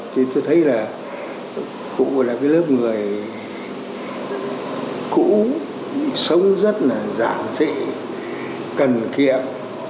thì tôi thấy là cụ là cái lớp người cụ sống rất là giảm dị cần kiệm